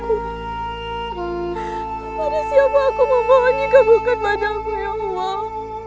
kepada siapa aku memohon jika bukan padamu ya allah